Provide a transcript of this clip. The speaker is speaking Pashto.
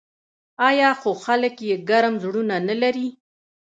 آیا خو خلک یې ګرم زړونه نلري؟